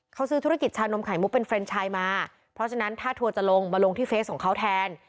เขาซื้อธุรกิจชานมไข่มุกเป็นเรนชายมาเพราะฉะนั้นถ้าทัวร์จะลงมาลงที่เฟสของเขาแทน